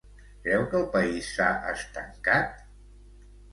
Creu que el país s'ha estancat?